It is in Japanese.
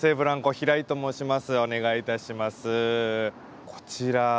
平井と申します。